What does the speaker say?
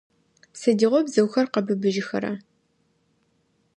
Сыдигъо бзыухэр къэбыбыжьхэра?